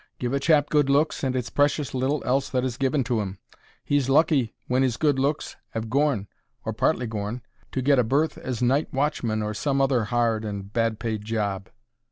Give a chap good looks, and it's precious little else that is given to 'im. He's lucky when 'is good looks 'ave gorn—or partly gorn—to get a berth as night watchman or some other hard and bad paid job.